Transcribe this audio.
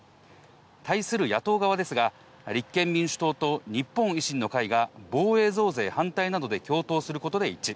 対する野党側ですが、立憲民主党と日本維新の会が防衛増税反対などで共闘することで一致。